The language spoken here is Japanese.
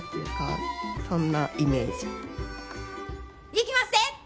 いきまっせ！